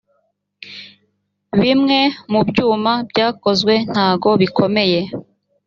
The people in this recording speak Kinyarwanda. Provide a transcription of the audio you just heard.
bimwe mu byuma byakozwe ntago bikomeye